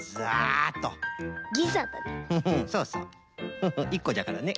フフ１こじゃからね。